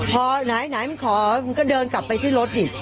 พอไหนมันขอมันก็เดินกลับไปที่รถดิ